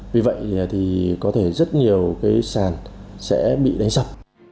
vì vậy thì có thể rất nhiều cái sàn sẽ bị đánh sập